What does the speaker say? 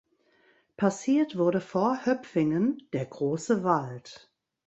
Passiert wurde vor Höpfingen der „Große Wald“.